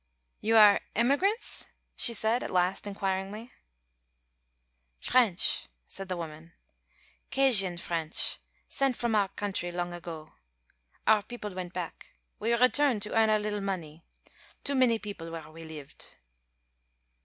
"You air emigrants?" she said, at last, inquiringly. "French," said the woman, "'Cajien French sent from our country long ago. Our people went back. We returned to earn a little money. Too many people where we lived."